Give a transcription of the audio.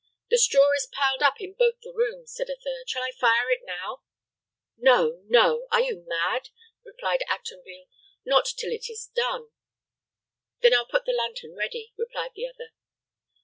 "The straw is piled up in both the rooms." said a third. "Shall I fire it now?" "No, no! Are you mad?" replied Actonville "Not till it is done." "Then I'll put the lantern ready," replied the other.